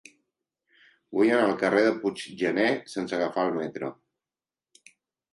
Vull anar al carrer de Puiggener sense agafar el metro.